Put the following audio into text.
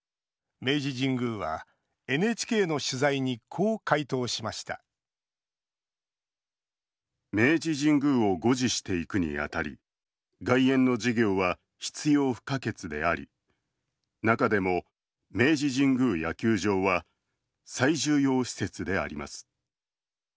明治神宮はＮＨＫの取材にこう回答しました「明治神宮を護持していくにあたり外苑の事業は必要不可欠であり中でも、明治神宮野球場は最重要施設であります」。